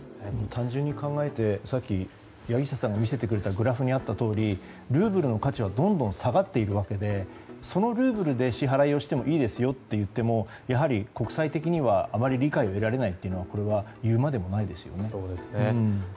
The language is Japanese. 単純に考えてさっき柳下さんが見せてくれたグラフにあったとおりルーブルの価値はどんどん下がっているわけでそのルーブルで支払いをしてもいいですよと言ってもやはり国際的にはあまり理解を得られないのはこれは言うまでもないですよね。